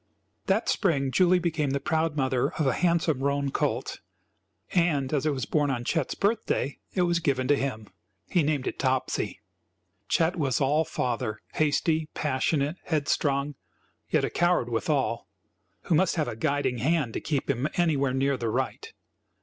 That spring Julie became the proud mother of a handsome roan colt, and as it was born on Chet's birthday, it was given to him. He named it Topsy. Chet was all father, hasty, passionate, headstrong, yet a coward withal, who must have a guiding hand to keep him anywhere near the right.